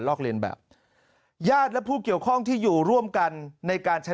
อกเลียนแบบญาติและผู้เกี่ยวข้องที่อยู่ร่วมกันในการใช้